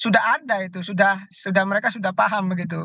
sudah ada itu sudah mereka sudah paham begitu